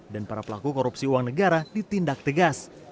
dan para pelaku korupsi uang negara ditindak tegas